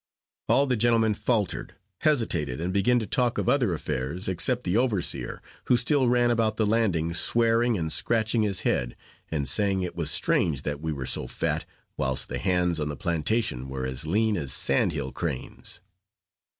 All the gentlemen faltered, hesitated, and began to talk of other affairs, except the overseer, who still ran about the landing, swearing and scratching his head, and saying it was strange that we were so fat, whilst the hands on the plantation were as lean as sand hill cranes.